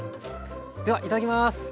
ではいただきます。